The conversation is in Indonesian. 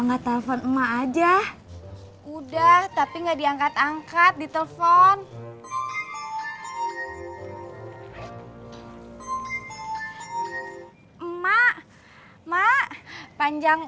enggak telepon emak aja udah tapi enggak diangkat angkat di telepon emak emak panjang